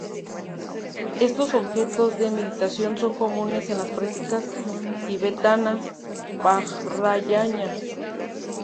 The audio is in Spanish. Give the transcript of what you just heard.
Estos objetos de meditación son comunes en las prácticas tibetanas Vajrayāna.